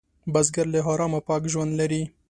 بزګر له حرامه پاک ژوند لري